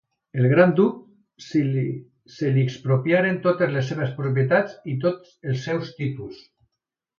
El gran duc se li expropiaren totes les seves propietats i tots els seus títols.